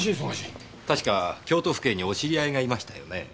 確か京都府警にお知り合いがいましたよね？